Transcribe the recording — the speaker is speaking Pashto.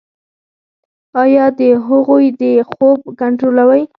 ایا د هغوی خوب کنټرولوئ؟